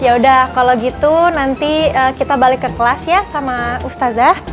ya udah kalau gitu nanti kita balik ke kelas ya sama ustazah